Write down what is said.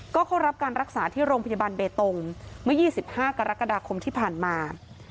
ก็เข้ารับการรักษาที่โรงพยาบาลเบตงเมื่อ๒๕กรกฎาคมที่ผ่านมา